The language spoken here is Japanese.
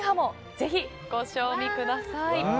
ぜひご賞味ください。